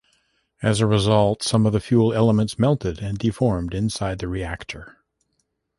As a result, some of the fuel elements melted and deformed inside the reactor.